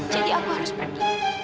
jadi aku harus pergi